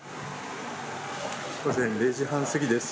午前０時半過ぎです。